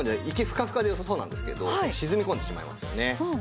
一見フカフカで良さそうなんですけど沈み込んでしまいますよね。